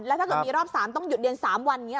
แล้วถ้าถึงมีรอบ๓ต้องหยุดเรียน๓วันอย่างนี้หรือคะ